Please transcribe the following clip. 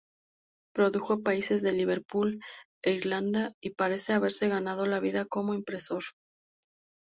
Produjo paisajes de Liverpool e Irlanda, y parece haberse ganado la vida como impresor.